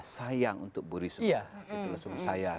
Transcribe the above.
sayang untuk buri sumpah